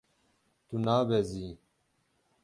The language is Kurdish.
Tu nabezî.